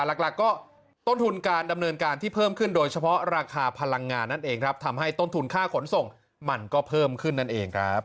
หลักก็ต้นทุนการดำเนินการที่เพิ่มขึ้นโดยเฉพาะราคาพลังงานนั่นเองครับทำให้ต้นทุนค่าขนส่งมันก็เพิ่มขึ้นนั่นเองครับ